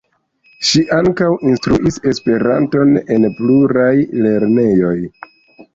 Ŝi ankaŭ instruis Esperanton en pluraj lernejoj.